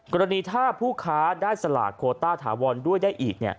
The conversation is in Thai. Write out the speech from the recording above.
กรณีถ้าผู้ค้าได้สลากโคต้าถาวรด้วยได้อีก